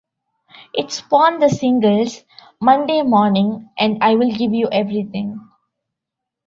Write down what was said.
It spawned the singles "Monday Morning" and "I Will Give You Everything".